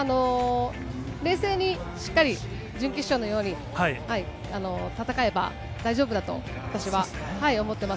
冷静にしっかり準決勝のように、戦えば大丈夫だと、私は思っています。